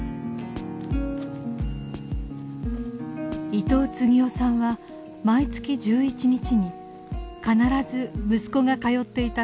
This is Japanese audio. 伊東次男さんは毎月１１日に必ず息子が通っていた高校を訪れます。